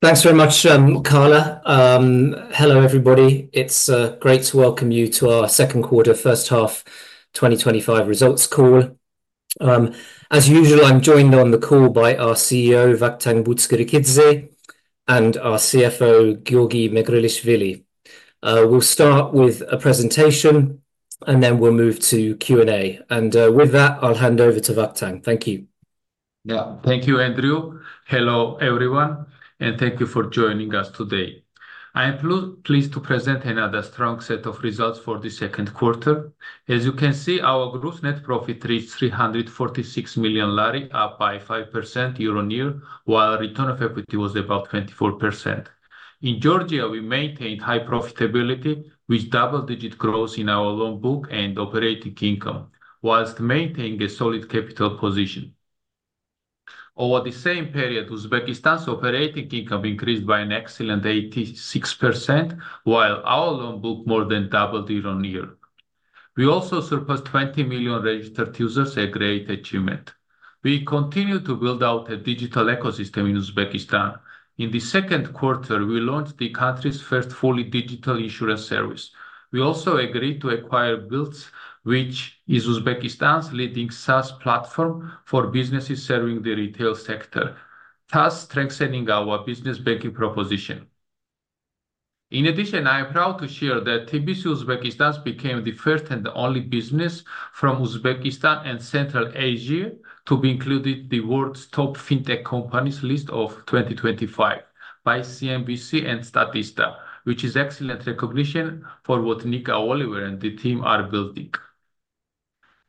Thanks very much, Carla. Hello, everybody. It's great to welcome you to our second quarter, first half 2025 results call. As usual, I'm joined on the call by our CEO, Vakhtang Butskhrikidze, and our CFO, Giorgi Megrelishvili. We'll start with a presentation, then we'll move to Q&A. With that, I'll hand over to Vakhtang. Thank you. Yeah, thank you, Andrew. Hello, everyone, and thank you for joining us today. I am pleased to present another strong set of results for the second quarter. As you can see, our gross net profit reached GEL 346 million, up by 5% year-on-year, while the return on equity was about 24%. In Georgia, we maintained high profitability with double-digit growth in our loan book and operating income, whilst maintaining a solid capital position. Over the same period, Uzbekistan's operating income increased by an excellent 86%, while our loan book more than doubled year-on-year. We also surpassed 2 million registered users, a great achievement. We continue to build out a digital ecosystem in Uzbekistan. In the second quarter, we launched the country's first fully digital insurance service. We also agreed to acquire Builds, which is Uzbekistan's leading B2B SaaS platform for businesses serving the retail sector, thus strengthening our business banking proposition. In addition, I am proud to share that TBC Uzbekistan became the first and the only business from Uzbekistan and Central Asia to be included in the world's top fintech companies list of 2025 by CNBC and Statista, which is excellent recognition for what Nika, Oliver, and the team are building.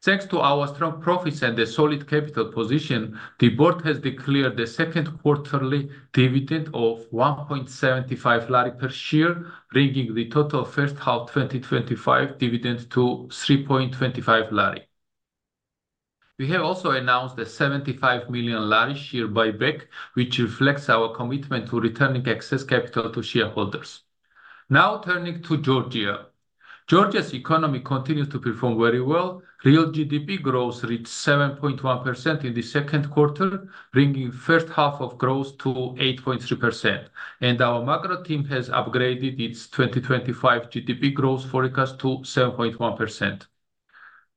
Thanks to our strong profits and the solid capital position, the board has declared the second quarterly dividend of GEL 1.75 per share, bringing the total first half 2025 dividend to GEL 3.25. We have also announced a GEL 75 million share buyback, which reflects our commitment to returning excess capital to shareholders. Now turning to Georgia. Georgia's economy continues to perform very well. Real GDP growth reached 7.1% in the second quarter, bringing the first half of growth to 8.3%. Our macro team has upgraded its 2025 GDP growth forecast to 7.1%.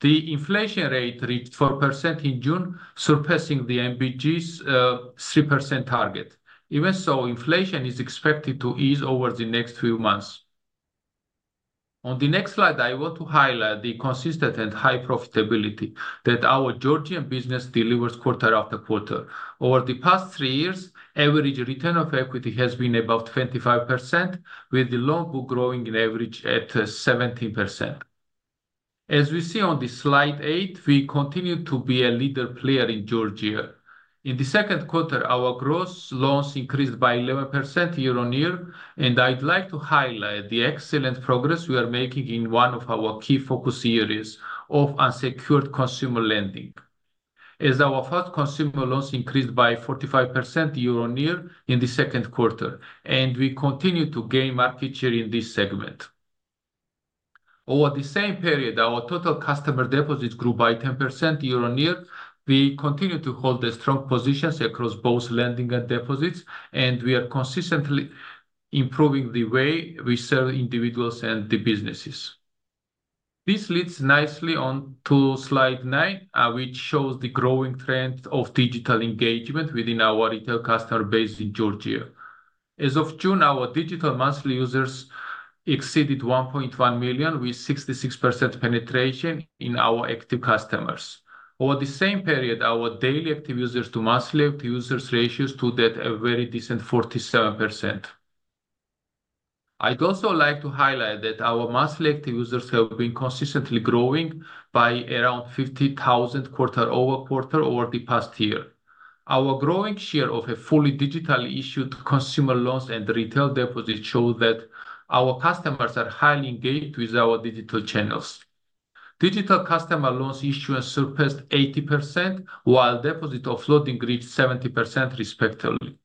The inflation rate reached 4% in June, surpassing the NBG's 3% target. Even so, inflation is expected to ease over the next few months. On the next slide, I want to highlight the consistent and high profitability that our Georgian business delivers quarter-after-quarter. Over the past three years, average return on equity has been about 25%, with the loan book growing on average at 17%. As we see on slide 8, we continue to be a leading player in Georgia. In the second quarter, our gross loans increased by 11% year-on-year, and I'd like to highlight the excellent progress we are making in one of our key focus areas of unsecured consumer lending. As our first consumer loans increased by 45% year-on-year in the second quarter, we continue to gain market share in this segment. Over the same period, our total customer deposits grew by 10% year-on-year. We continue to hold strong positions across both lending and deposits, and we are consistently improving the way we serve individuals and businesses. This leads nicely on to slide nine, which shows the growing trend of digital engagement within our retail customer base in Georgia. As of June, our digital monthly users exceeded 1.1 million, with 66% penetration in our active customers. Over the same period, our daily active users to monthly active users ratio stood at a very decent 47%. I'd also like to highlight that our monthly active users have been consistently growing by around 50,000 quarter-over-quarter over the past year. Our growing share of fully digitally issued consumer loans and retail deposits shows that our customers are highly engaged with our digital channels. Digital consumer loan issuance surpassed 80%, while deposit offloading reached 70%.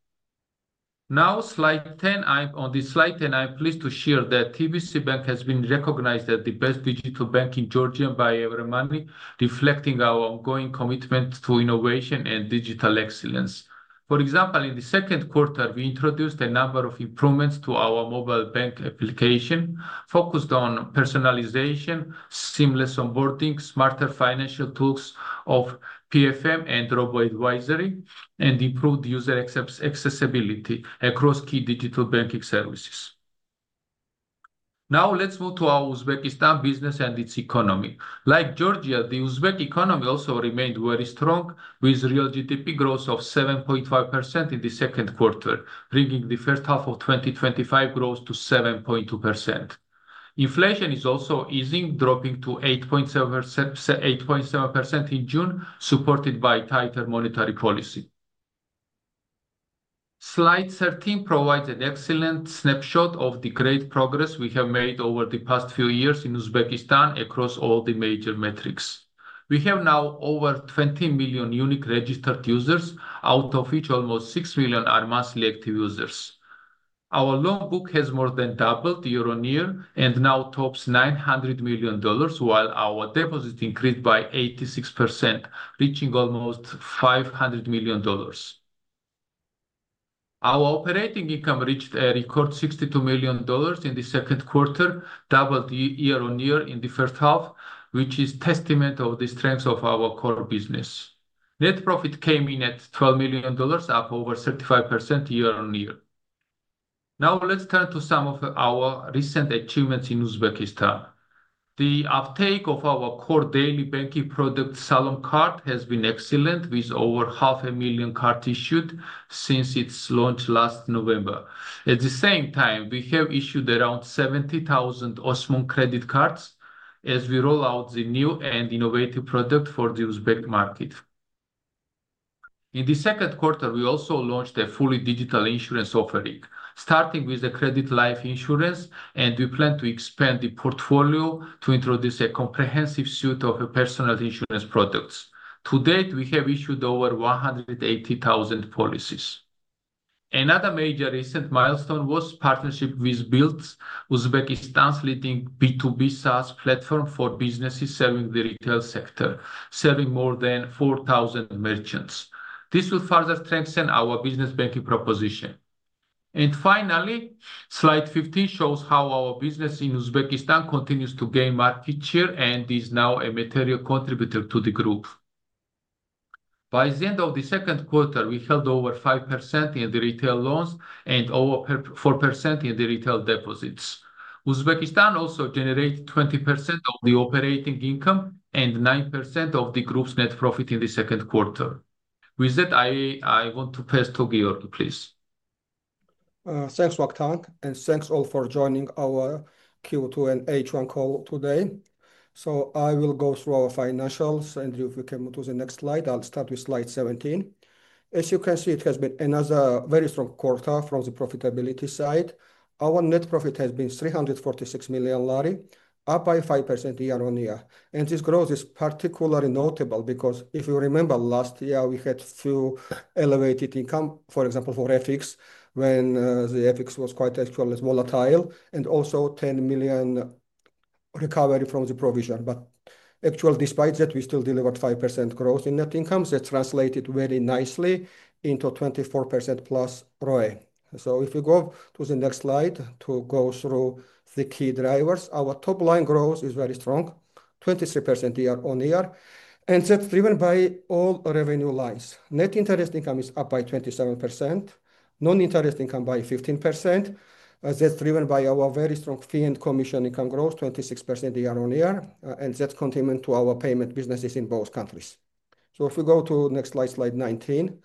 Now, on slide 10, I'm pleased to share that TBC Bank has been recognized as the best digital bank in Georgia by Euromoney, reflecting our ongoing commitment to innovation and digital excellence. For example, in the second quarter, we introduced a number of improvements to our mobile bank application, focused on personalization, seamless onboarding, smarter financial tools of PFM and Robo Advisory, and improved user accessibility across key digital banking services. Now, let's move to our Uzbekistan business and its economy. Like Georgia, the Uzbek economy also remained very strong, with real GDP growth of 7.5% in the second quarter, bringing the first half of 2023 growth to 7.2%. Inflation is also easing, dropping to 8.7% in June, supported by tighter monetary policy. Slide 13 provides an excellent snapshot of the great progress we have made over the past few years in Uzbekistan across all the major metrics. We have now over 20 million unique registered users, out of which almost 6 million are monthly active users. Our loan book has more than doubled year-on-year and now tops $900 million, while our deposits increased by 86%, reaching almost $500 million. Our operating income reached a record $62 million in the second quarter, doubled year-on-year in the first half, which is a testament to the strength of our core business. Net profit came in at $12 million, up over 35% year-on-year. Now, let's turn to some of our recent achievements in Uzbekistan. The uptake of our core daily banking product, Salom Card, has been excellent, with over half a million cards issued since its launch last November. At the same time, we have issued around 70,000 Osmon credit cards as we roll out the new and innovative product for the Uzbek market. In the second quarter, we also launched a fully digital insurance offering, starting with the Credit Life Insurance, and we plan to expand the portfolio to introduce a comprehensive suite of personal insurance products. To date, we have issued over 180,000 policies. Another major recent milestone was the partnership with Builds, Uzbekistan's leading B2B SaaS platform for businesses serving the retail sector, serving more than 4,000 merchants. This will further strengthen our business banking proposition. Finally, slide 15 shows how our business in Uzbekistan continues to gain market share and is now a material contributor to the group. By the end of the second quarter, we held over 5% in the retail loans and over 4% in the retail deposits. Uzbekistan also generated 20% of the operating income and 9% of the group's net profit in the second quarter. With that, I want to pass to Giorgi, please. Thanks, Vakhtang, and thanks all for joining our Q2 and H1 call today. I will go through our financials, and if we can move to the next slide, I'll start with slide 17. As you can see, it has been another very strong quarter from the profitability side. Our net profit has been GEL 346 million, up by 5% year-on-year. This growth is particularly notable because if you remember last year, we had a few elevated income, for example, for Epix, when the Epix was quite actually volatile, and also a GEL 10 million recovery from the provision. Despite that, we still delivered 5% growth in net income that translated very nicely into 24%+ ROI. If we go to the next slide to go through the key drivers, our top line growth is very strong, 23% year-on-year, and that's driven by all revenue lines. Net interest income is up by 27%, non-interest income by 15%. That's driven by our very strong fee and commission income growth, 26% year-on-year, and that's contributing to our payment businesses in both countries. If we go to the next slide, slide 19,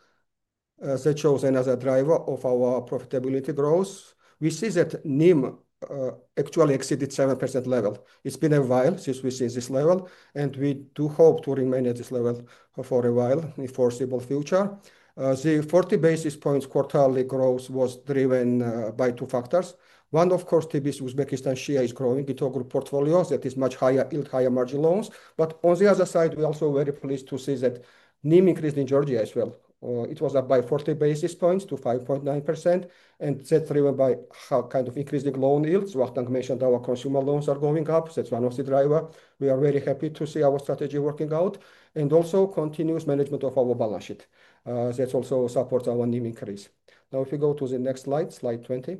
that shows another driver of our profitability growth. We see that NIM actually exceeded the 7% level. It's been a while since we've seen this level, and we do hope to remain at this level for a while in the foreseeable future. The 40 basis points quarterly growth was driven by two factors. One, of course, TBC Uzbekistan is growing its portfolio that is much higher yield, higher margin loans. On the other side, we're also very pleased to see that NIM increased in Georgia as well. It was up by 40 basis points to 5.9%, and that's driven by kind of increasing loan yields. Vakhtang mentioned our consumer loans are going up. That's one of the drivers. We are very happy to see our strategy working out, and also continuous management of our balance sheet. That also supports our NIM increase. Now, if we go to the next slide, slide 20.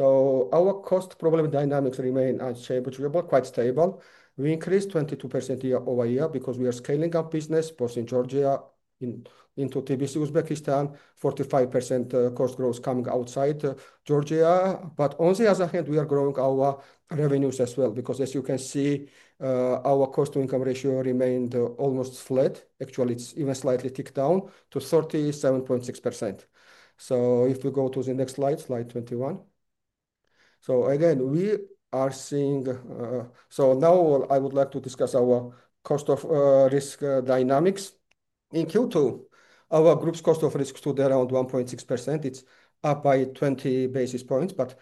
Our cost problem dynamics remain, I'd say, quite stable. We increased 22% year-over-year because we are scaling up business both in Georgia and into TBC Uzbekistan. 45% cost growth coming outside Georgia. On the other hand, we are growing our revenues as well because, as you can see, our cost-to-income ratio remained almost flat. Actually, it's even slightly ticked down to 37.6%. If we go to the next slide, slide 21. Again, we are seeing, now I would like to discuss our cost of risk dynamics. In Q2, our group's cost of risk stood at around 1.6%. It's up by 20 basis points, but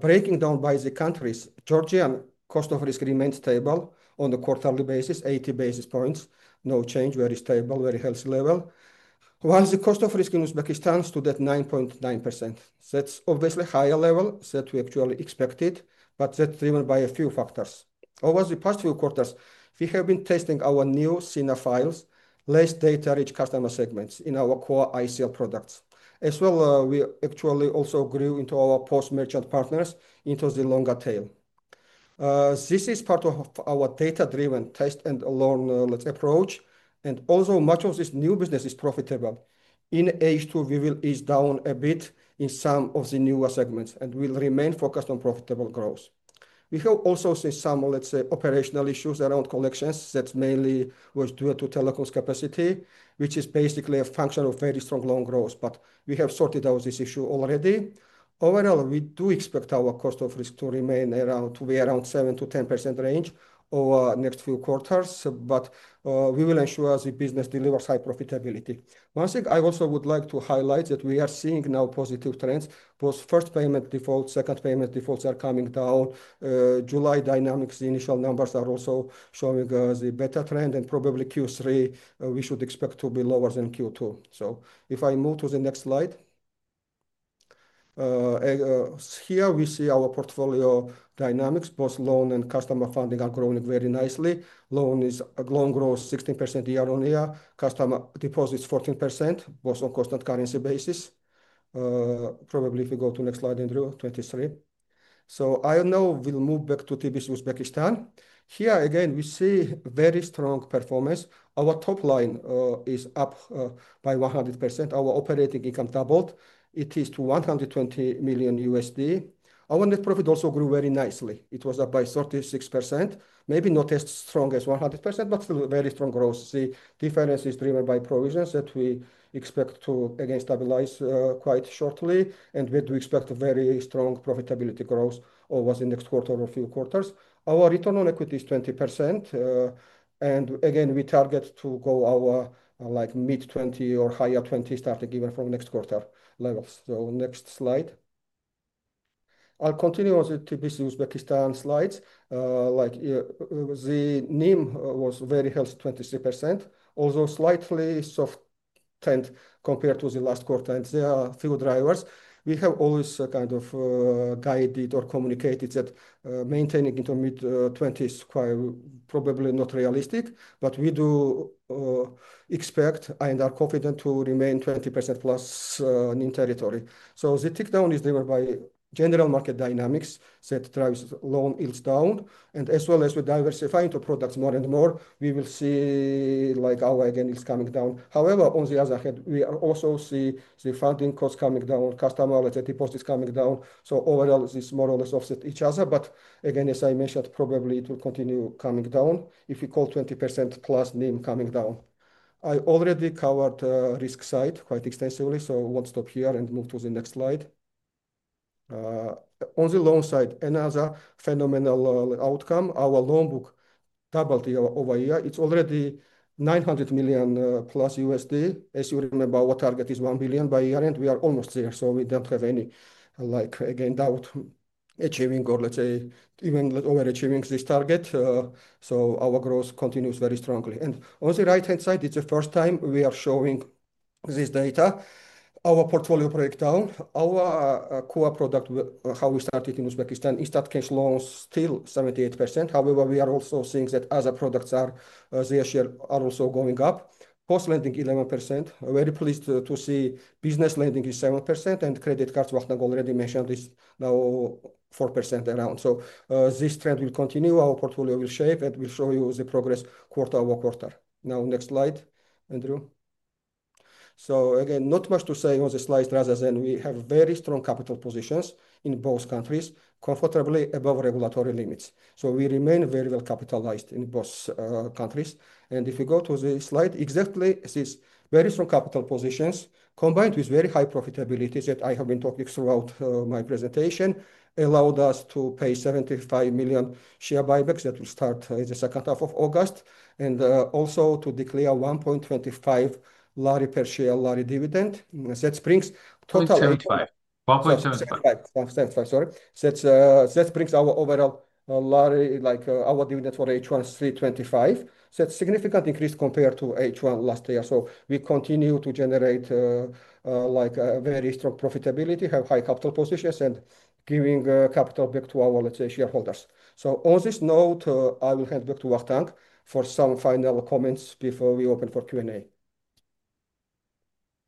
breaking down by the countries, Georgia's cost of risk remains stable on a quarterly basis, 80 basis points. No change, very stable, very healthy level. While the cost of risk in Uzbekistan stood at 9.9%. That's obviously a higher level than we actually expected, but that's driven by a few factors. Over the past few quarters, we have been testing our new CNA files, less data-rich customer segments in our core ICL products. As well, we actually also grew into our post-merchant partners into the longer tail. This is part of our data-driven test and learn approach, and although much of this new business is profitable, in H2, we will ease down a bit in some of the newer segments and will remain focused on profitable growth. We have also seen some, let's say, operational issues around collections. That's mainly due to telecoms capacity, which is basically a function of very strong loan growth, but we have sorted out this issue already. Overall, we do expect our cost of risk to remain around 7%-10% range over the next few quarters, but we will ensure the business delivers high profitability. One thing I also would like to highlight is that we are seeing now positive trends. Both first payment defaults, second payment defaults are coming down. July dynamics, the initial numbers are also showing us a better trend, and probably Q3, we should expect to be lower than Q2. If I move to the next slide, here we see our portfolio dynamics. Both loan and customer funding are growing very nicely. Loan growth is 16% year-on-year. Customer deposits are 14%, both on cost and currency basis. Probably if we go to the next slide, Andrew, 23. I now will move back to TBC Uzbekistan. Here, again, we see very strong performance. Our top line is up by 100%. Our operating income doubled. It is to $120 million. Our net profit also grew very nicely. It was up by 36%. Maybe not as strong as 100%, but still very strong growth. The difference is driven by provisions that we expect to, again, stabilize quite shortly, and we do expect very strong profitability growth over the next quarter or a few quarters. Our return on equity is 20%, and again, we target to go our like mid-20 or higher 20s starting even from next quarter levels. Next slide. I'll continue on the TBC Uzbekistan slides. Like the NIM was very healthy, 23%, although slightly softer compared to the last quarter, and there are a few drivers. We have always kind of guided or communicated that maintaining into mid-20s is probably not realistic, but we do expect and are confident to remain 20%+ NIM territory. The tickdown is driven by general market dynamics that drive loan yields down, and as well as we diversify into products more and more, we will see like our again is coming down. However, on the other hand, we also see the funding costs coming down, customer letter deposits coming down. Overall, this more or less offsets each other, but again, as I mentioned, probably it will continue coming down if we call 20%+ NIM coming down. I already covered the risk side quite extensively, so I won't stop here and move to the next slide. On the loan side, another phenomenal outcome, our loan book doubled year-over-year. It's already $900 million+. As you remember, our target is $1 billion by year-end. We are almost there, so we don't have any like again doubt achieving or let's say even overachieving this target. Our growth continues very strongly. On the right-hand side, it's the first time we are showing this data. Our portfolio breakdown, our core product, how we started in Uzbekistan, is that cash loans still 78%. We are also seeing that other products are their share are also going up. Post-lending 11%. Very pleased to see business lending is 7% and credit cards, Vakhtang already mentioned, is now 4% around. This trend will continue. Our portfolio will shape and we'll show you the progress quarter-over-quarter. Now, next slide, Andrew. Not much to say on the slides rather than we have very strong capital positions in both countries, comfortably above regulatory limits. We remain very well capitalized in both countries. If we go to the slide, exactly this very strong capital positions combined with very high profitability that I have been talking throughout my presentation allowed us to pay $75 million share buybacks that will start in the second half of August and also to declare GEL 1.25 per share lari dividend. That brings total... GEL 1.75. That brings our overall dividend for H1 2025. That's a significant increase compared to H1 last year. We continue to generate very strong profitability, have high capital positions, and are giving capital back to our shareholders. On this note, I will hand back to Vakhtang for some final comments before we open for Q&A.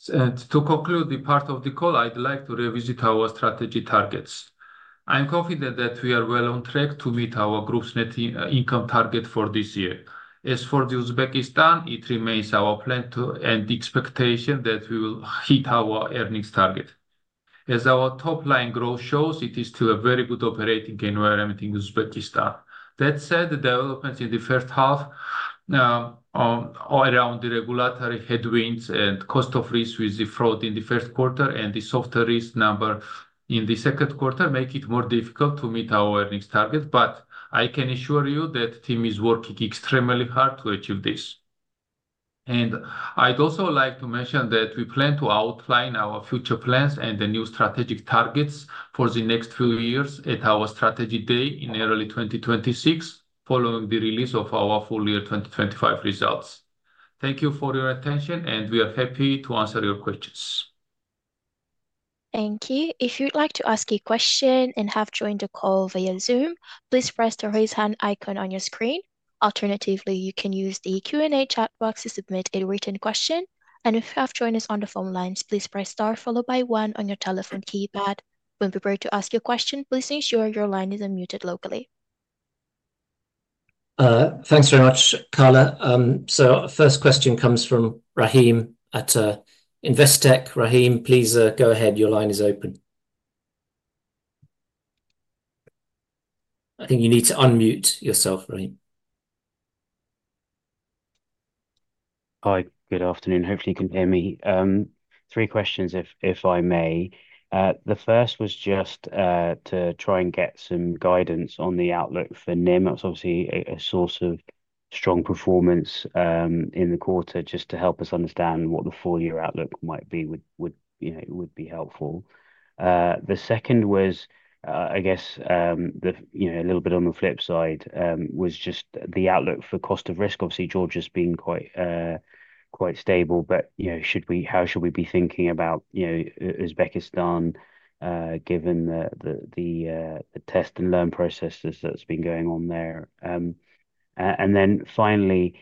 To conclude the part of the call, I'd like to revisit our strategy targets. I'm confident that we are well on track to meet our group's net income target for this year. As for Uzbekistan, it remains our plan to and the expectation that we will hit our earnings target. As our top line growth shows, it is still a very good operating environment in Uzbekistan. That said, the developments in the first half around the regulatory headwinds and cost of risk with the fraud in the first quarter and the software risk number in the second quarter make it more difficult to meet our earnings target, but I can assure you that the team is working extremely hard to achieve this. I'd also like to mention that we plan to outline our future plans and the new strategic targets for the next few years at our strategy day in early 2026, following the release of our full year 2025 results. Thank you for your attention, and we are happy to answer your questions. Thank you. If you'd like to ask a question and have joined the call via Zoom, please press the raise hand icon on your screen. Alternatively, you can use the Q&A chat box to submit a written question. If you have joined us on the phone lines, please press star followed by one on your telephone keypad. When prepared to ask your question, please ensure your line is unmuted locally. Thanks very much, Carla. The first question comes from Rahim at Investec. Rahim, please go ahead. Your line is open. I think you need to unmute yourself, Rahim. Hi, good afternoon. Hopefully, you can hear me. Three questions, if I may. The first was just to try and get some guidance on the outlook for NIM. It's obviously a source of strong performance in the quarter, just to help us understand what the full-year outlook might be. It would be helpful. The second was, I guess, a little bit on the flip side, just the outlook for cost of risk. Obviously, Georgia's been quite stable, but how should we be thinking about Uzbekistan given the test and learn processes that have been going on there? Finally,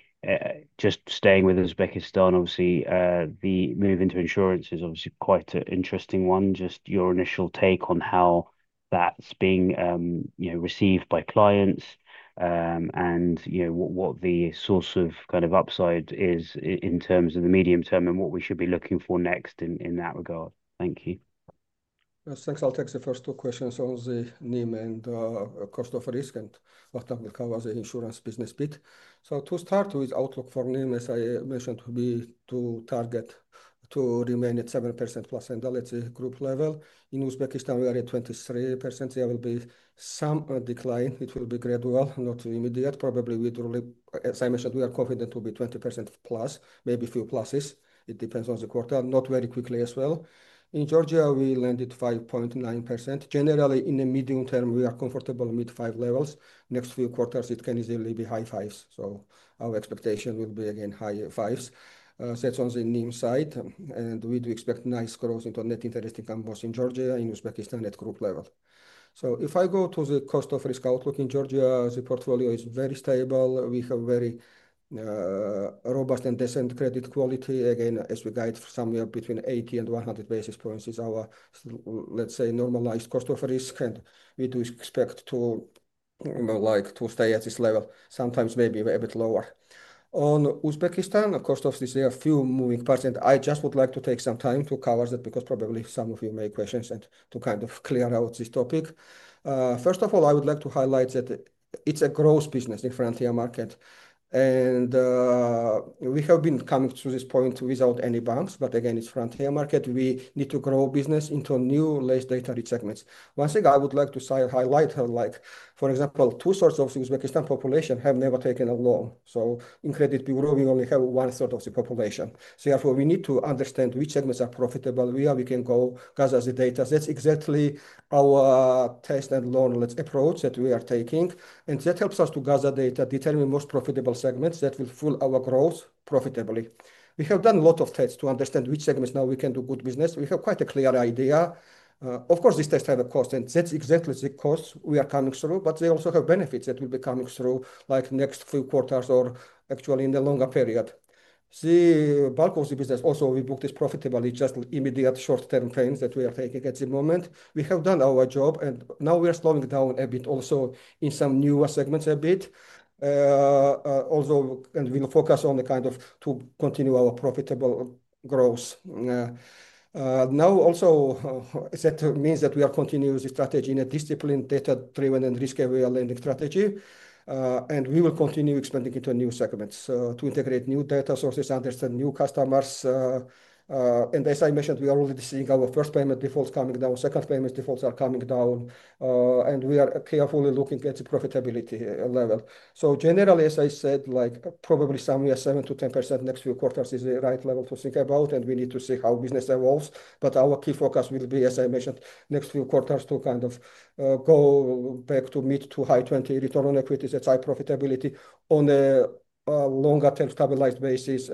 just staying with Uzbekistan, the move into digital insurance service is quite an interesting one. Just your initial take on how that's being received by clients and what the source of kind of upside is in terms of the medium term and what we should be looking for next in that regard. Thank you. Thanks. I'll take the first two questions on the NIM and the cost of risk and that will cover the insurance business bit. To start with outlook for NIM, as I mentioned, would be to target to remain at 7%+ at group level. In Uzbekistan, we are at 23%. There will be some decline. It will be gradual, not immediate. Probably, as I mentioned, we are confident to be 20%+, maybe a few pluses. It depends on the quarter, not very quickly as well. In Georgia, we landed 5.9%. Generally, in the medium term, we are comfortable with five levels. Next few quarters, it can easily be high fives. Our expectation will be again high fives. That's on the NIM side, and we do expect nice growth into net interest income both in Georgia and Uzbekistan at group level. If I go to the cost of risk outlook in Georgia, the portfolio is very stable. We have very robust and decent credit quality. Again, as we guide, somewhere between 80 and 100 basis points is our normalized cost of risk, and we do expect to stay at this level, sometimes maybe a bit lower. On Uzbekistan, the cost of this year, a few moving parts, and I just would like to take some time to cover that because probably some of you may have questions and to kind of clear out this topic. First of all, I would like to highlight that it's a growth business in the frontier market, and we have been coming to this point without any bonds, but again, it's a frontier market. We need to grow business into new, less data-rich segments. One thing I would like to highlight, for example, two thirds of the Uzbekistan population have never taken a loan. In credit bureau, we only have one third of the population. Therefore, we need to understand which segments are profitable. We can go gather the data. That's exactly our test and loan approach that we are taking, and that helps us to gather data, determine the most profitable segments that will fuel our growth profitably. We have done a lot of tests to understand which segments now we can do good business. We have quite a clear idea. Of course, these tests have a cost, and that's exactly the cost we are coming through, but they also have benefits that will be coming through next few quarters or actually in the longer period. The bulk of the business also we book this profitably, just immediate short-term pains that we are taking at the moment. We have done our job, and now we are slowing down a bit also in some newer segments a bit, although we will focus on the kind of to continue our profitable growth. Now, also, that means that we are continuing the strategy in a disciplined, data-driven, and risk-aware lending strategy, and we will continue expanding into new segments to integrate new data sources, understand new customers. As I mentioned, we are already seeing our first payment defaults coming down, second payment defaults are coming down, and we are carefully looking at the profitability level. Generally, as I said, like probably somewhere 7%-10% next few quarters is the right level to think about, and we need to see how business evolves. Our key focus will be, as I mentioned, next few quarters to kind of go back to mid to high 20% return on equity that's high profitability on a longer-term stabilized basis.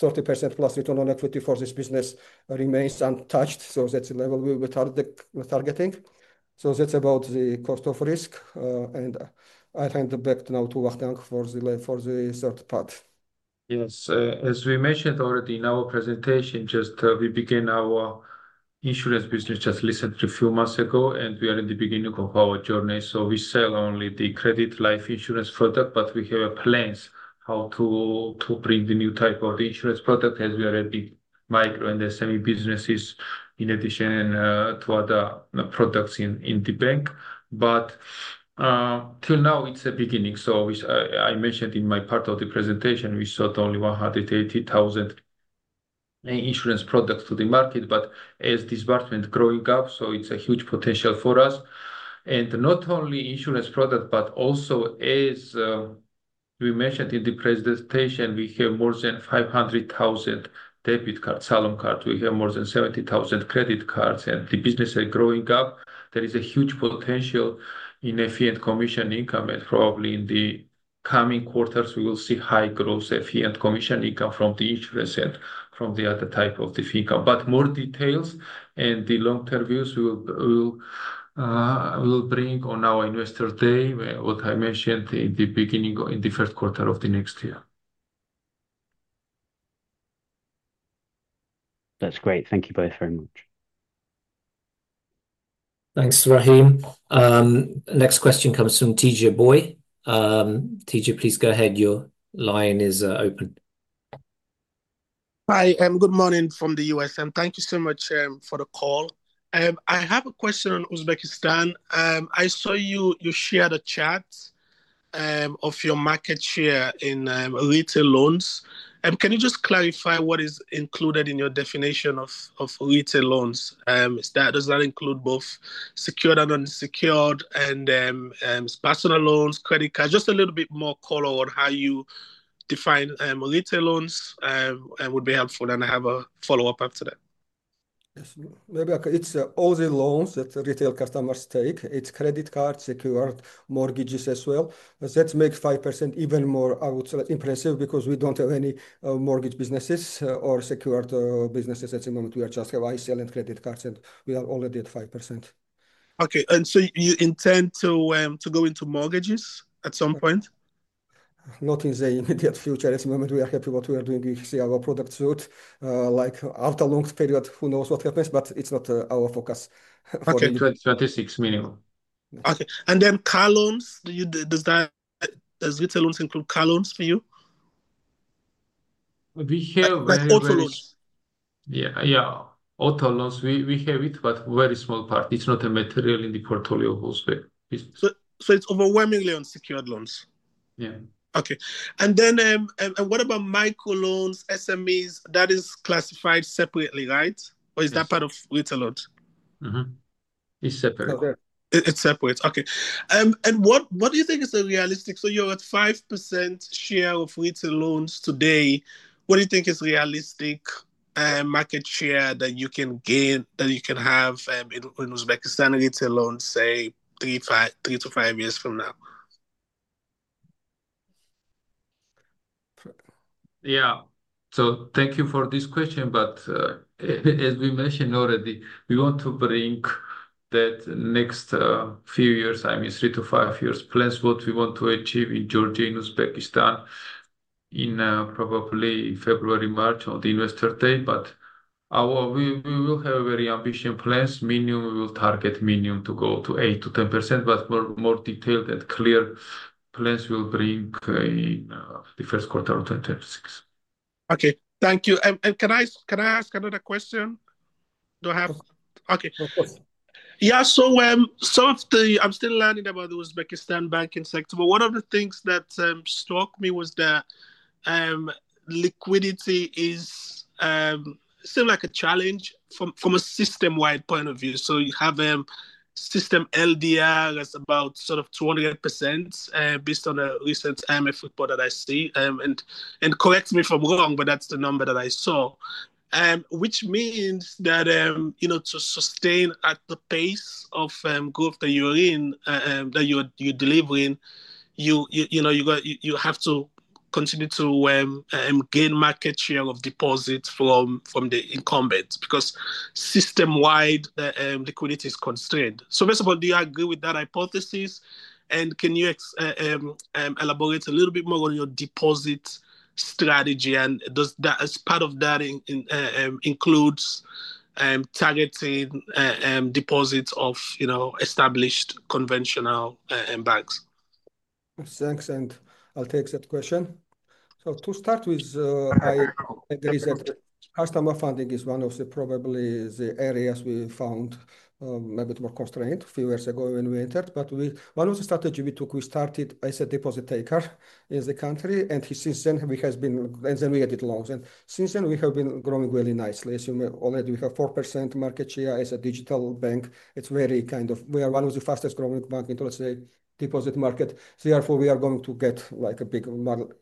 30%+ return on equity for this business remains untouched. That's the level we'll be targeting. That's about the cost of risk, and I hand it back now to Vakhtang for the third part. Yes, as we mentioned already in our presentation, we began our insurance business just recently, a few months ago, and we are in the beginning of our journey. We sell only the credit life insurance product, but we have plans how to bring the new type of the insurance product as we are migrating the semi-businesses in addition to other products in the bank. Till now, it's a beginning. I mentioned in my part of the presentation, we sold only 180,000 insurance products to the market, but as the department is growing up, it's a huge potential for us. Not only insurance products, but also, as we mentioned in the presentation, we have more than 500,000 debit cards, Salom cards. We have more than 70,000 credit cards, and the business is growing up. There is a huge potential in the fee and commission income, and probably in the coming quarters, we will see high growth in fee and commission income from the insurance and from the other type of the fee income. More details and the long-term views we will bring on our investor's day, what I mentioned in the beginning, in the first quarter of the next year. That's great. Thank you both very much. Thanks, Rahim. Next question comes from TJ Boyle. TJ, please go ahead. Your line is open. Hi, good morning from the U.S., and thank you so much for the call. I have a question on Uzbekistan. I saw you share the chart of your market share in retail loans. Can you just clarify what is included in your definition of retail loans? Does that include both secured and unsecured and personal loans, credit cards? Just a little bit more color on how you define retail loans would be helpful, and I have a follow-up after that. Definitely. It's all the loans that retail customers take. It's credit cards, secured mortgages as well. That makes 5% even more, I would say, impressive because we don't have any mortgage businesses or secured businesses at the moment. We just have ICL and credit cards, and we are already at 5%. Okay, you intend to go into mortgages at some point? Not in the immediate future. At the moment, we are happy with what we are doing. We see our products suit after a long period. Who knows what happens, it's not our focus. Okay, 2026 minimum. Okay, does retail loans include car loans for you? We have. Like auto loans? Yeah, yeah, auto loans. We have it, but a very small part. It's not material in the portfolio of those businesses. It's over $1 million secured loans? Yeah. Okay, and what about microloans, SMEs? That is classified separately, right? Or is that part of retail loans? It's separate. It's separate. Okay, what do you think is the realistic? You're at 5% share of retail loans today. What do you think is realistic market share that you can gain, that you can have in Uzbekistan retail loans, say, three to five years from now? Thank you for this question. As we mentioned already, we want to bring that next few years, I mean three to five years, plans, what we want to achieve in Georgia and Uzbekistan in probably February, March on the investor's day. We will have very ambitious plans. Minimum, we will target minimum to go to 8%-10%, but more detailed and clear plans we'll bring in the first quarter of 2026. Okay, thank you. Can I ask another question? Do I have? Okay, yeah, some of the, I'm still learning about the Uzbekistan banking sector, but one of the things that struck me was that liquidity is still like a challenge from a system-wide point of view. You have a system LDR that's about 200% based on the recent IMF report that I see, and correct me if I'm wrong, but that's the number that I saw, which means that to sustain at the pace of growth that you're in, that you're delivering, you have to continue to gain market share of deposits from the incumbents because system-wide liquidity is constrained. First of all, do you agree with that hypothesis? Can you elaborate a little bit more on your deposit strategy? Does that, as part of that, include targeting deposits of established conventional banks? Thanks, and I'll take that question. To start with, I agree that customer funding is probably one of the areas we found a bit more constrained a few years ago when we entered. One of the strategies we took, we started as a deposit taker in the country, and since then, we have been, and then we added loans. Since then, we have been growing really nicely. As you already, we have 4% market share as a digital bank. It's very kind of, we are one of the fastest growing banks in the deposit market. Therefore, we are going to get a big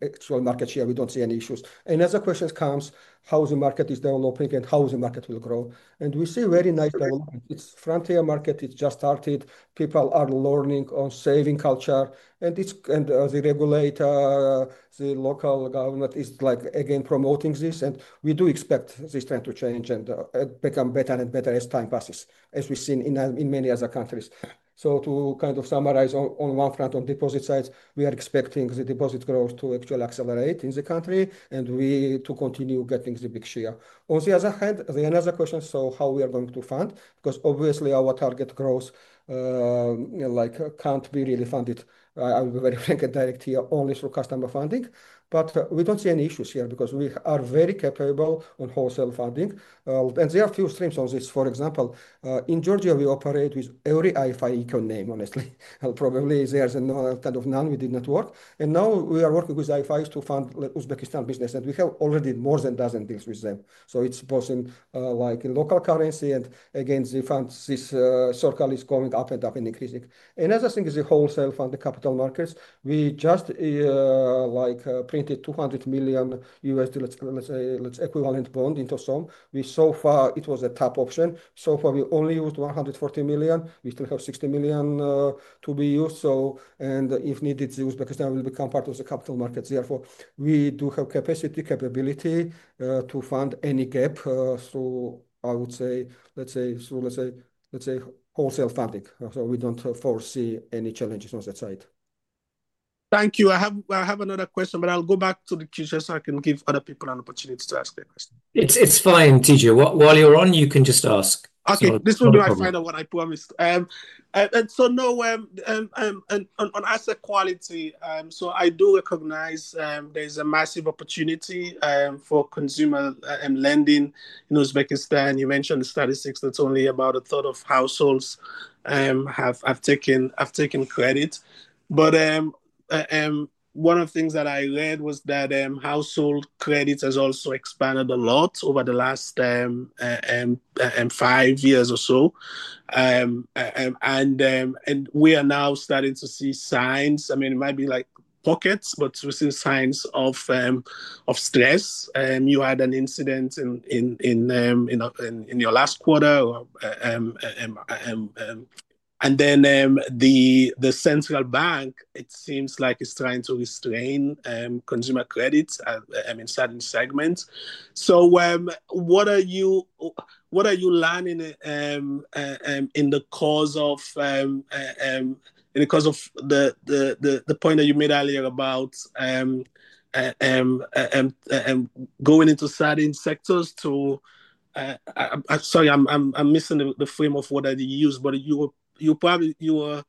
actual market share. We don't see any issues. As the question comes, how the market is developing and how the market will grow, we see a very nice level. It's a frontier market. It just started. People are learning on saving culture, and the regulator, the local government is again promoting this, and we do expect this trend to change and become better and better as time passes, as we've seen in many other countries. To summarize on one front, on the deposit side, we are expecting the deposit growth to actually accelerate in the country, and we continue getting the big share. On the other hand, the other question, how we are going to fund, because obviously our target growth can't be really funded, I'll be very frank and direct here, only through customer funding. We don't see any issues here because we are very capable on wholesale funding. There are a few streams on this. For example, in Georgia, we operate with every IFI eco name, honestly. Probably there's none we did not work. Now we are working with IFIs to fund Uzbekistan business, and we have already more than a dozen deals with them. It's both in local currency, and again, the fund, this circle is going up and up and increasing. Another thing is the wholesale fund, the capital markets. We just printed $200 million, let's say, equivalent bond into some. So far, it was a tough option. So far, we only used $140 million. We still have $60 million to be used. If needed, Uzbekistan will become part of the capital markets. Therefore, we do have capacity, capability to fund any gap through, I would say, through wholesale funding. We don't foresee any challenges on that side. Thank you. I have another question, but I'll go back to the Q&A so I can give other people an opportunity to ask the question. It's fine, TJ. While you're on, you can just ask. Okay, this will be my final one, I promise. On asset quality, I do recognize there's a massive opportunity for consumer and lending in Uzbekistan. You mentioned the statistics that only about a third of households have taken credit. One of the things that I read was that household credit has also expanded a lot over the last five years or so. We are now starting to see signs. It might be like pockets, but we see signs of stress. You had an incident in your last quarter. The central bank, it seems like it's trying to restrain consumer credits, certain segments. What are you learning in the cause of the point that you made earlier about going into certain sectors to, I'm sorry, I'm missing the frame of what I used, but you were probably, you were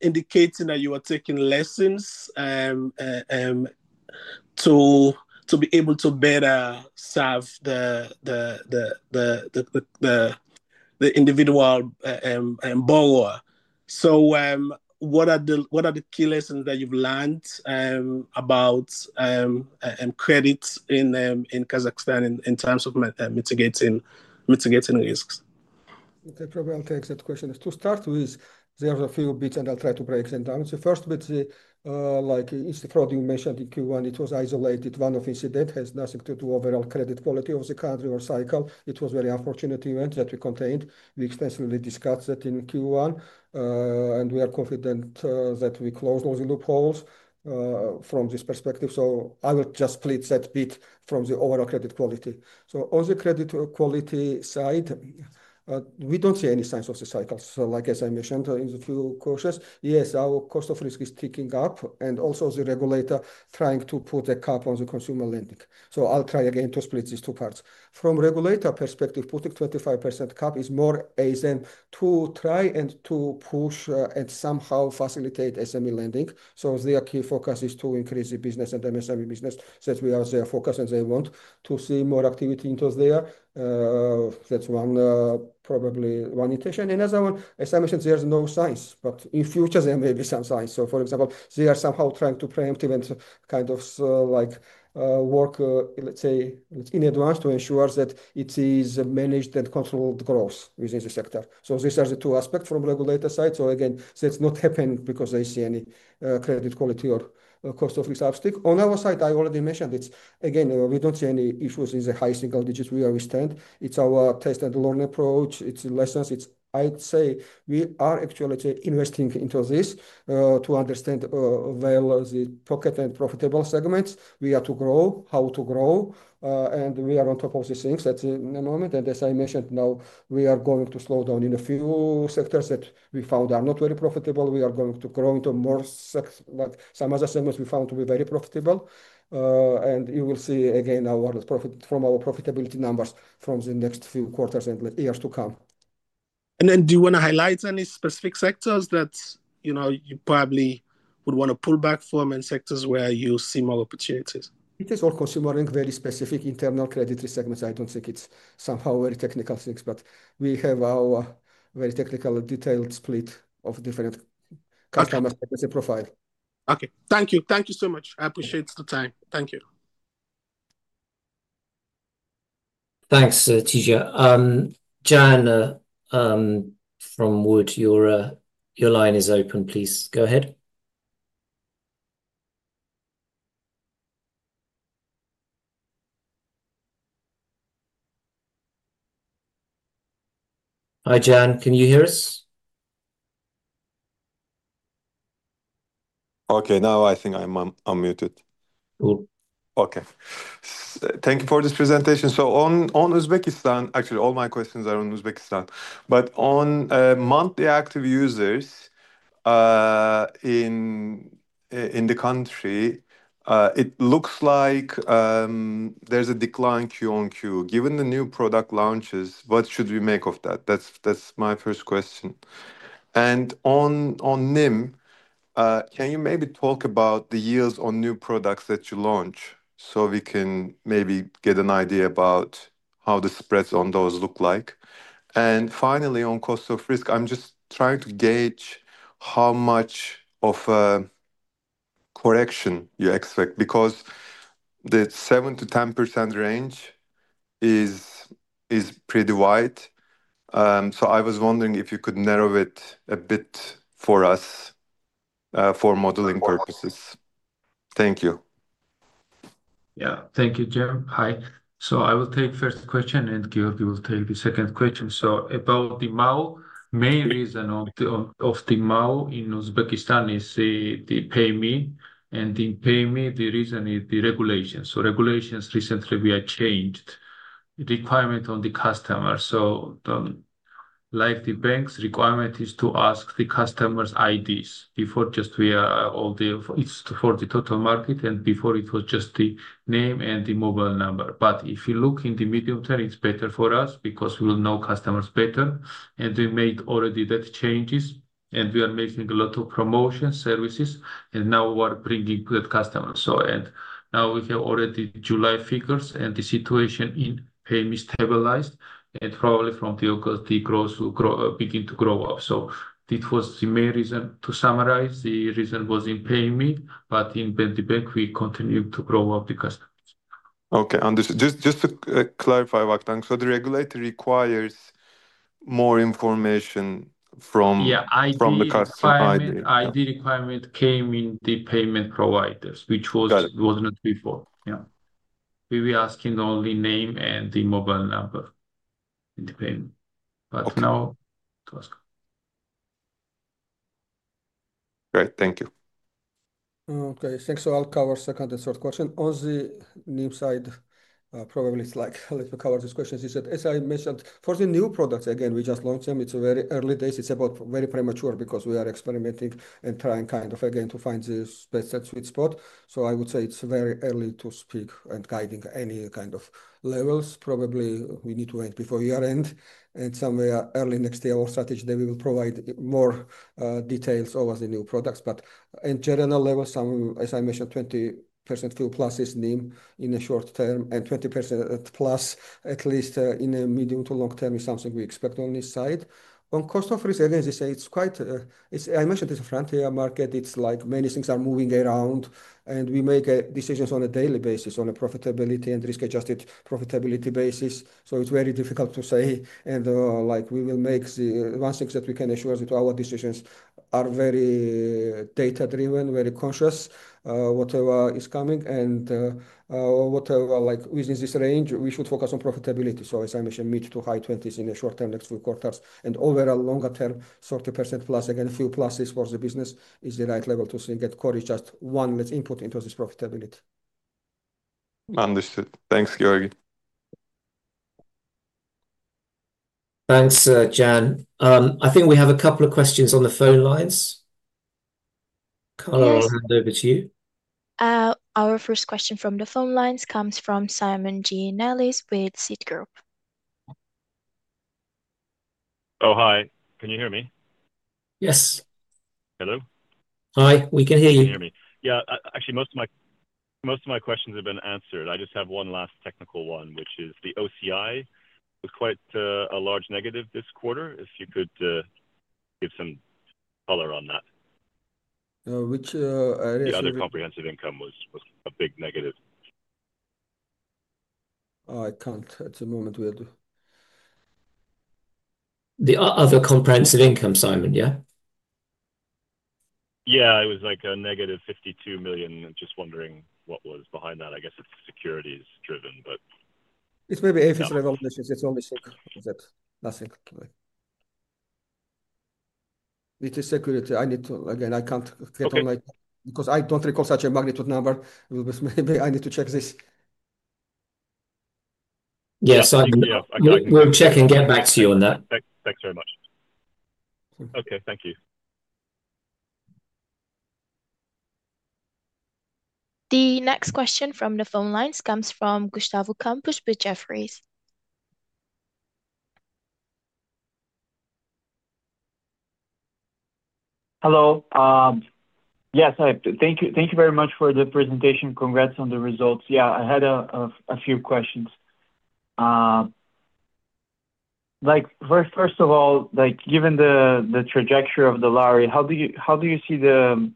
indicating that you were taking lessons to be able to better serve the individual borrower. What are the key lessons that you've learned about credit in Kazakhstan in terms of mitigating risks? Okay, probably I'll take that question. To start with, there are a few bits and I'll try to break them down. The first bit, like the fraud you mentioned in Q1, it was isolated. One of the incidents has nothing to do with the overall credit quality of the country or cycle. It was a very unfortunate event that we contained. We extensively discussed that in Q1, and we are confident that we closed all the loopholes from this perspective. I will just split that bit from the overall credit quality. On the credit quality side, we don't see any signs of the cycles. Like as I mentioned in the few questions, yes, our cost of risk is ticking up and also the regulator trying to put a cap on the consumer lending. I'll try again to split these two parts. From a regulator perspective, putting a 25% cap is more easier to try and to push and somehow facilitate SME lending. Their key focus is to increase the business and the SME business. That's where their focus is, and they want to see more activity into there. That's probably one intention. Another one, as I mentioned, there's no signs, but in the future, there may be some signs. For example, they are somehow trying to preempt events, kind of like work, let's say, in advance to ensure that it is managed and controlled growth within the sector. These are the two aspects from the regulator side. Again, that's not happening because they see any credit quality or cost of risk upstick. On our side, I already mentioned it. Again, we don't see any issues in the high single digits where we stand. It's our test and learn approach. It's lessons. I'd say we are actually investing into this to understand well the pocket and profitable segments. We are to grow, how to grow, and we are on top of these things at the moment. As I mentioned, now we are going to slow down in a few sectors that we found are not very profitable. We are going to grow into more sectors, like some other segments we found to be very profitable. You will see again our profit from our profitability numbers from the next few quarters and years to come. Do you want to highlight any specific sectors that you probably would want to pull back from and sectors where you see more opportunities? It is all consumer and very specific internal credit segments. I don't think it's somehow very technical things, but we have our very technical, detailed split of different customers as a profile. Okay, thank you. Thank you so much. I appreciate the time. Thank you. Thanks, TJ. Jan from Wood, your line is open. Please go ahead. Hi, Jan, can you hear us? Okay, now I think I'm unmuted. Thank you for this presentation. On Uzbekistan, actually, all my questions are on Uzbekistan. On monthly active users in the country, it looks like there's a decline Q1-Q2. Given the new product launches, what should we make of that? That's my first question. On NIM, can you maybe talk about the yields on new products that you launch so we can maybe get an idea about how the spreads on those look like? Finally, on cost of risk, I'm just trying to gauge how much of a correction you expect because the 7%-10% range is pretty wide. I was wondering if you could narrow it a bit for us for modeling purposes. Thank you. Yeah, thank you, Jan. Hi. I will take the first question and Giorgi will take the second question. About the MAU, the main reason of the MAU in Uzbekistan is the PayMe. In PayMe, the reason is the regulation. Regulations recently have changed the requirement on the customer. The bank's requirement is to ask the customer's IDs before, for the total market, and before it was just the name and the mobile number. If you look in the medium term, it's better for us because we will know customers better. We made already that changes and we are making a lot of promotions, services, and now we are bringing good customers. We have already July figures and the situation in PayMe stabilized and probably from the local growth will begin to grow up. It was the main reason. To summarize, the reason was in PayMe, but in the bank, we continue to grow up the customers. Okay, understood. Just to clarify, Vakhtang, the regulator requires more information from the customer's ID. ID requirement came in the payment providers, which was not before. We were asking only name and the mobile number in the payment, but now it was. Great, thank you. Okay, thanks. I'll cover the second and third question. On the NIM side, probably it's like I'll cover these questions. You said, as I mentioned, for the new products, again, we just launched them. It's very early days. It's very premature because we are experimenting and trying to find the best sweet spot. I would say it's very early to speak and guide any kind of levels. Probably we need to wait before year-end and somewhere early next year. Our strategy, we will provide more details over the new products. In general, as I mentioned, 20% to plus is NIM in the short term and 20%+ at least in the medium to long term is something we expect on this side. On cost of risk, as I mentioned, it's a frontier market. Many things are moving around and we make decisions on a daily basis on a profitability and risk-adjusted profitability basis. It's very difficult to say. One thing that we can assure is that our decisions are very data-driven, very conscious, whatever is coming. Within this range, we should focus on profitability. As I mentioned, mid to high 20% in the short term, next few quarters, and overall longer term, 30%+. A few pluses for the business is the right level to see that correct just one input into this profitability. Understood. Thanks, Giorgi. Thanks, Jan. I think we have a couple of questions on the phone lines. Carla, I'll hand over to you. Our first question from the phone lines comes from Simon G. Nellis with Citigroup. Oh, hi. Can you hear me? Yes. Hello? Hi, we can hear you. Can you hear me? Yeah, actually, most of my questions have been answered. I just have one last technical one, which is the OCI was quite a large negative this quarter. If you could give some color on that. Which area? The other comprehensive income was a big negative. I can't. At the moment, we had. The other comprehensive income, Simon, yeah? Yeah, it was like a negative $52 million. I'm just wondering what was behind that. I guess it's securities driven, but. It's maybe a few sort of notices. It's only single. Nothing. It is security. I need to, again, I can't get on my because I don't recall such a magnitude number. Maybe I need to check this. Yeah, Simon, we'll check and get back to you on that. Thanks very much. Thank you. The next question from the phone lines comes from Gustavo Campos with Jefferies. Hello. Yes, thank you very much for the presentation. Congrats on the results. I had a few questions. First of all, given the trajectory of the lari, how do you see the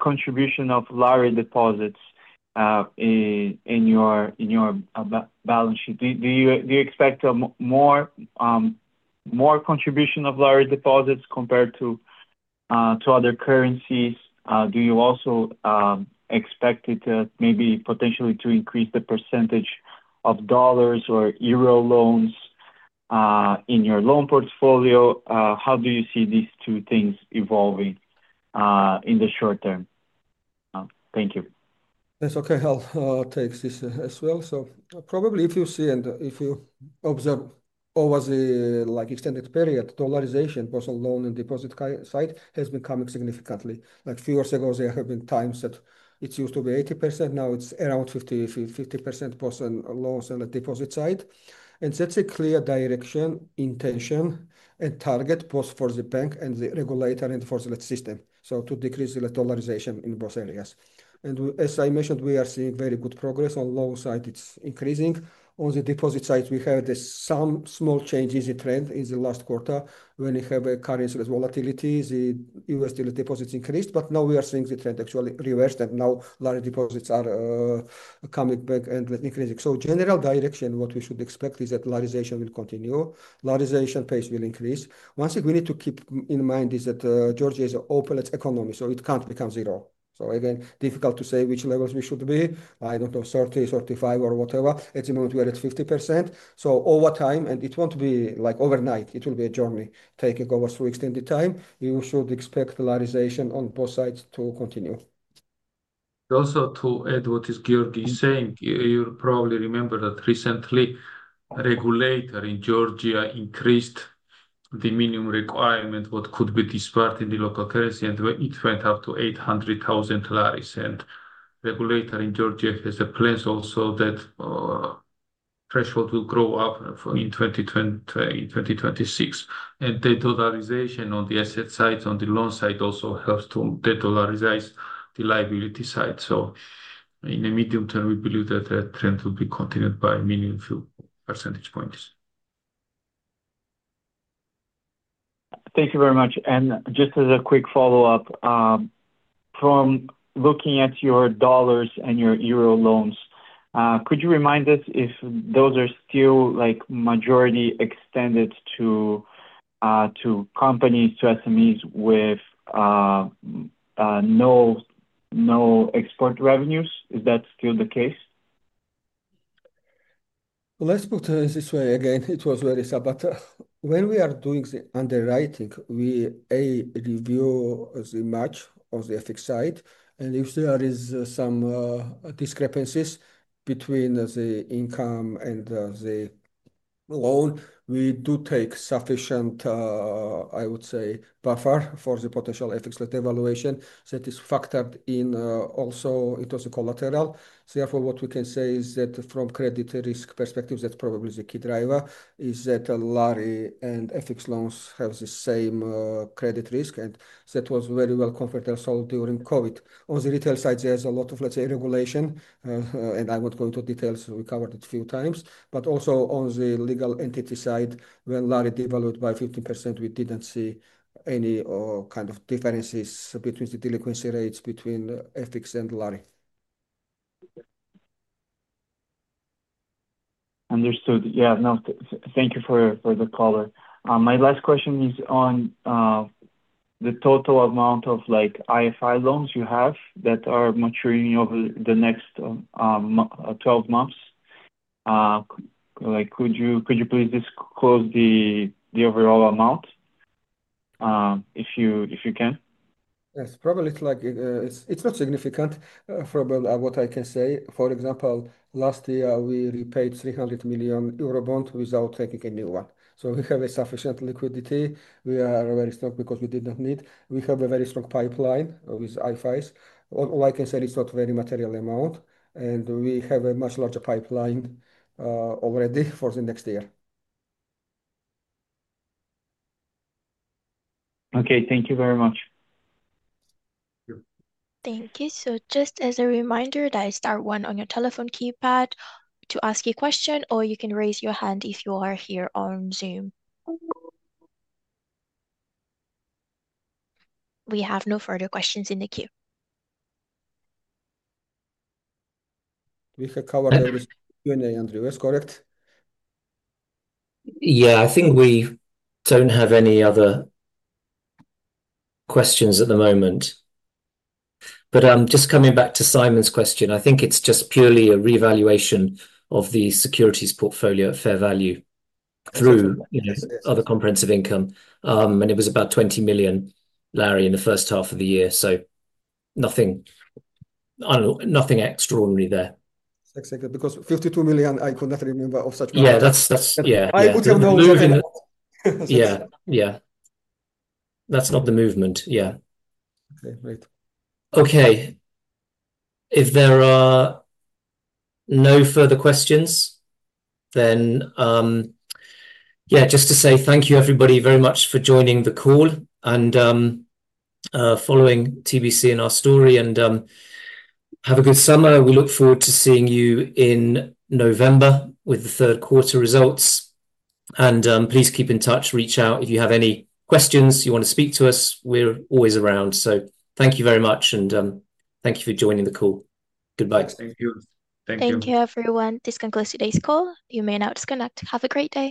contribution of lari deposits in your balance sheet? Do you expect more contribution of lari deposits compared to other currencies? Do you also expect it to potentially increase the percentage of dollars or euro loans in your loan portfolio? How do you see these two things evolving in the short term? Thank you. That's okay. I'll take this as well. If you see and if you observe over the extended period, dollarization for some loan and deposit side has been coming significantly. Like a few years ago, there have been times that it used to be 80%. Now it's around 50% for some loans on the deposit side. That's a clear direction, intention, and target both for the bank and the regulator and for the system to decrease the dollarization in both areas. As I mentioned, we are seeing very good progress on the loan side. It's increasing. On the deposit side, we have some small changes in the trend in the last quarter when we have a currency volatility. The USD deposits increased, but now we are seeing the trend actually reversed and now local currency deposits are coming back and increasing. The general direction, what we should expect is that local currency-ization will continue. Local currency-ization pace will increase. One thing we need to keep in mind is that Georgia is an open economy, so it can't become zero. Again, difficult to say which levels we should be. I don't know, 30%, 35%, or whatever. At the moment, we are at 50%. Over time, and it won't be like overnight, it will be a journey taking over three weeks in the time, you should expect local currency-ization on both sides to continue. Also, to add what Giorgi is saying, you probably remember that recently a regulator in Georgia increased the minimum requirement for what could be disbursed in the local currency, and it went up to $800,000. The regulator in Georgia has a claim also that the threshold will grow up in 2026. The dollarization on the asset side, on the loan side, also helps to de-dollarize the liability side. In the medium term, we believe that trend will be continued by a minimum few percentage points. Thank you very much. Just as a quick follow-up, from looking at your dollars and your euro loans, could you remind us if those are still majority extended to companies, to SMEs with no export revenues? Is that still the case? Let's put it this way. It was very subtle. When we are doing the underwriting, we review the match on the ethics side. If there are some discrepancies between the income and the loan, we do take sufficient, I would say, buffer for the potential ethics evaluation. That is factored in also into the collateral. Therefore, what we can say is that from a credit risk perspective, probably the key driver is that lari and ethics loans have the same credit risk. That was very well confidential during COVID. On the retail side, there's a lot of, let's say, regulation. I won't go into details. We covered it a few times. Also, on the legal entity side, when lari devalued by 15%, we didn't see any kind of differences between the delinquency rates between ethics and lari. Understood. Thank you for the caller. My last question is on the total amount of IFI loans you have that are maturing over the next 12 months. Could you please disclose the overall amount if you can? Yes, probably it's not significant. From what I can say, for example, last year we repaid 300 million euro eurobonds without taking a new one. We have sufficient liquidity. We are very strong because we did not need. We have a very strong pipeline with IFIs. All I can say is it's not a very material amount. We have a much larger pipeline already for the next year. Okay, thank you very much. Thank you. Just as a reminder, there's one on your telephone keypad to ask a question, or you can raise your hand if you are here on Zoom. We have no further questions in the queue. We have covered everything. You and Andrew. That's correct. Yeah, I think we don't have any other questions at the moment. I'm just coming back to Simon's question. I think it's just purely a reevaluation of the securities portfolio at fair value through other comprehensive income. It was about GEL 20 million in the first half of the year. Nothing extraordinary there. Exactly, because $52 million, I could not remember of such numbers. Yeah, that's yeah. I would have known something else. Yeah, that's not the movement. Okay, great. Okay. If there are no further questions, just to say thank you everybody very much for joining the call and following TBC in our story. Have a good summer. We look forward to seeing you in November with the third quarter results. Please keep in touch. Reach out if you have any questions, you want to speak to us. We're always around. Thank you very much. Thank you for joining the call. Goodbye. Thank you. Thank you. Thank you, everyone. This concludes today's call. You may now disconnect. Have a great day.